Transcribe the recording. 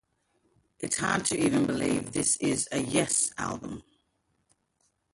It's hard to even believe this is a Yes album.